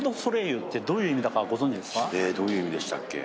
どういう意味でしたっけ？